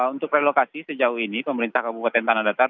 untuk relokasi sejauh ini pemerintah kabupaten tanah datar